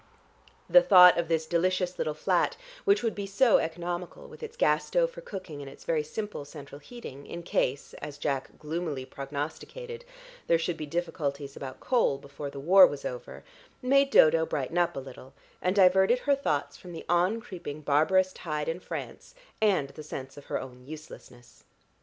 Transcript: The thought of this delicious little flat, which would be so economical with its gas stove for cooking, and its very simple central heating, in case, as Jack gloomily prognosticated, there should be difficulties about coal before the war was over, made Dodo brighten up a little, and diverted her thoughts from the on creeping barbarous tide in France, and the sense of her own uselessness.